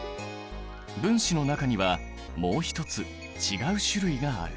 分子の中にはもう一つ違う種類がある。